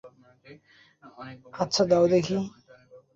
আচ্ছা, দাও দেখি।